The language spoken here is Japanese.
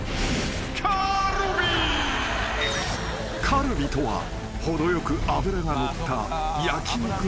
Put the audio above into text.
［カルビとは程よく脂が乗った焼き肉の王道］